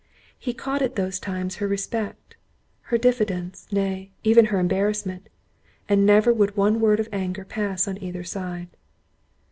He caught at those times her respect, her diffidence, nay, even her embarrassment; and never would one word of anger pass on either side.